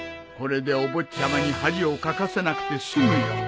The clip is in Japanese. これでお坊ちゃまに恥をかかせなくて済むよ。